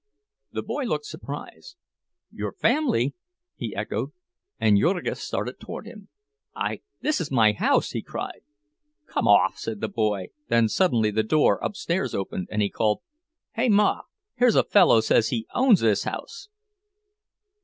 The boy looked surprised. "Your family!" he echoed. And Jurgis started toward him. "I—this is my house!" he cried. "Come off!" said the boy; then suddenly the door upstairs opened, and he called: "Hey, ma! Here's a fellow says he owns this house."